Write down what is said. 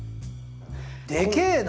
でけえな！